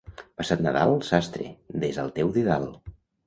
Passat Nadal, sastre, desa el teu didal.